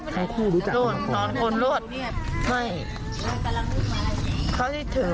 เกิดอะไรขึ้น